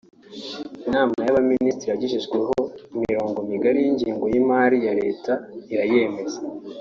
Inama y’Abaminisitiri yagejejweho imirongo migari y’ingengo y’imari ya Leta irayemeza